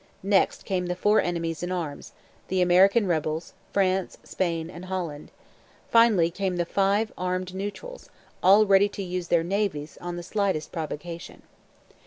Next came the four enemies in arms: the American rebels, France, Spain, and Holland. Finally came the five armed neutrals, all ready to use their navies on the slightest provocation.